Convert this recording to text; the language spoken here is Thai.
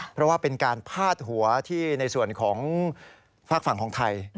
เพราะว่าเป็นการพาดหัวที่ในส่วนของฝากฝั่งของไทย